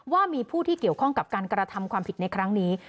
ว่ามีผู้ที่เกี่ยวข้องกับการกระทำความผิดในครั้งนี้